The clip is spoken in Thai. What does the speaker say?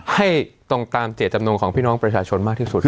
ให้ตรงตามเจตจำนงของพี่น้องประชาชนมากที่สุด